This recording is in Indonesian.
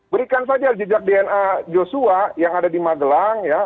berikan saja jejak dna joshua yang ada di magelang ya